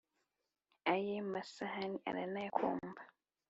Aye masahani aranayakomba!